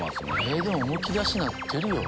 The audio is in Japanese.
でもむき出しになってるよ